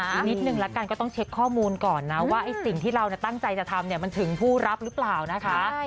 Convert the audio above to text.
อีกนิดนึงละกันก็ต้องเช็คข้อมูลก่อนนะว่าไอ้สิ่งที่เราตั้งใจจะทำมันถึงผู้รับหรือเปล่านะคะ